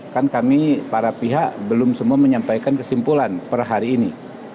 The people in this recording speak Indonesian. kan kami para pihak belum semua menyampaikan kesimpulan per hari ini